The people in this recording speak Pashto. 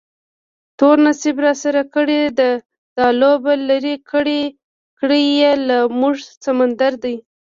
تور نصیب راسره کړې ده دا لوبه، لرې کړی یې له موږه سمندر دی